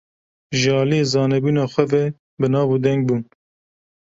Ji aliyê zanebûna xwe ve bi nav û deng bûn.